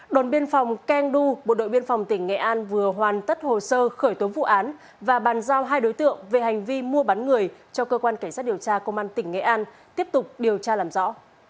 đồn biên phòng keng du bộ đội biên phòng tỉnh nghệ an vừa hoàn tất hồ sơ khởi tố vụ án và bàn giao hai đối tượng về hành vi mua bán người cho cơ quan cảnh sát điều tra công an tỉnh nghệ an tiếp tục điều tra làm rõ